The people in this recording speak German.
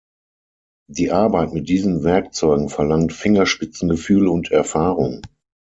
Die Arbeit mit diesen Werkzeugen verlangt Fingerspitzengefühl und Erfahrung.